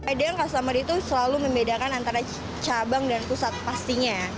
ide yang kasih sama dia itu selalu membedakan antara cabang dan pusat pastinya